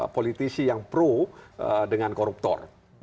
politisi yang pro dengan koruptor